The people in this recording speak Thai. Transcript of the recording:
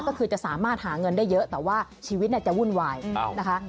ก็คือจะสามารถหาเงินได้เยอะแต่ว่าชีวิตจะวุ่นวายนะคะ